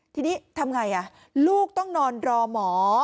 ทีนี้ทำไงลูกต้องนอนรอหมอ